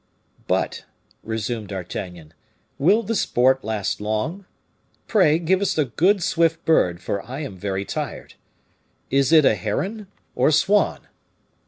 "But," resumed D'Artagnan, "will the sport last long? Pray, give us a good swift bird, for I am very tired. Is it a heron or a swan?"